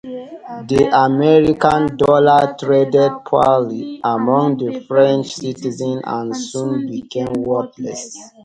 The American dollar traded poorly among the French citizens, and soon became worthless.